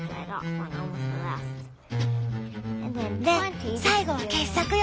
で最後は傑作よ。